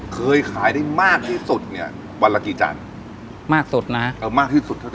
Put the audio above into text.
เคยขายได้มากที่สุดเนี่ยวันละกี่จานมากสุดนะเออมากที่สุดเท่าไ